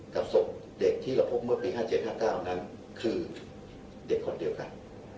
ศพเด็กที่เราพบเมื่อปี๕๗๕๙นั้นคือเด็กคนเดียวกัน